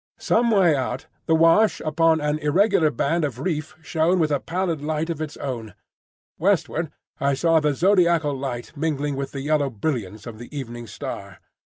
Some way out, the wash upon an irregular band of reef shone with a pallid light of its own. Westward I saw the zodiacal light mingling with the yellow brilliance of the evening star.